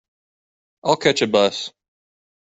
I'll catch a bus.